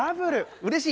うれしい。